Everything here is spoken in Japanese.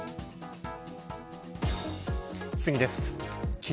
次です。